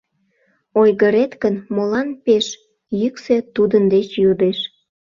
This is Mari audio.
Ойгырет гын молан пеш?» Йӱксӧ тудын деч йодеш.